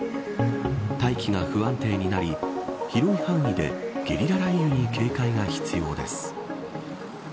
大気が不安定になり広い範囲でゲリラ雷雨に警戒が必要です。